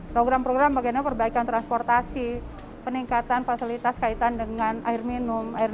program program bagaimana perbaikan transportasi peningkatan fasilitas kaitan dengan air minum